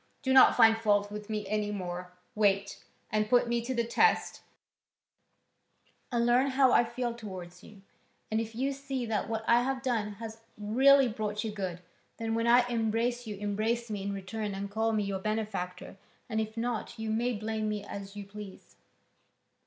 Do not find fault with me any more, wait, and put me to the test, and learn how I feel towards you, and if you see that what I have done has really brought you good, then, when I embrace you, embrace me in return and call me your benefactor, and if not, you may blame me as you please."